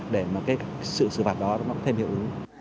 để mà cái sự xử phạt đó nó cũng thêm hiệu ứng